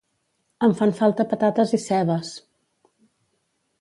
Em fan falta patates i cebes